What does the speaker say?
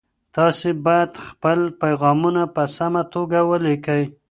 تاسي باید خپل پیغامونه په سمه توګه ولیکئ.